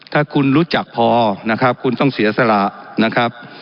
ถ้าคุณรู้จักพอนะครับคุณต้องเสียสละนะครับ